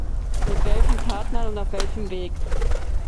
Mit welchen Partnern und auf welchem Weg?